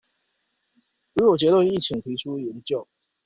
如有結論亦請提出研究